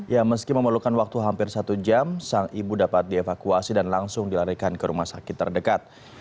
ya meski memerlukan waktu hampir satu jam sang ibu dapat dievakuasi dan langsung dilarikan ke rumah sakit terdekat